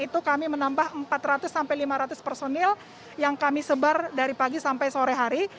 itu kami menambah empat ratus sampai lima ratus personil yang kami sebar dari pagi sampai sore hari